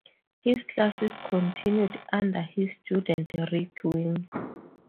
His classes continued under his student Rick Wing.